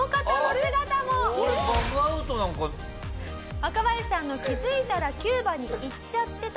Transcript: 若林さんの「気づいたらキューバに行っちゃってた」